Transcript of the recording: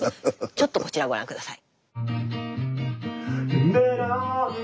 ちょっとこちらをご覧下さい。